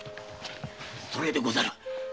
それでござる。